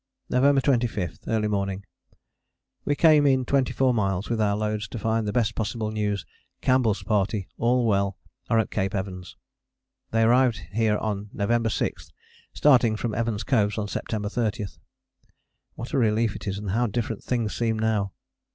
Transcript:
November 25. Early morning. We came in 24 miles with our loads, to find the best possible news Campbell's Party, all well, are at Cape Evans. They arrived here on November 6, starting from Evans Coves on September 30. What a relief it is, and how different things seem now!